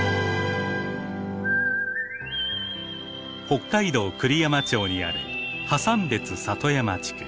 北海道栗山町にあるハサンベツ里山地区。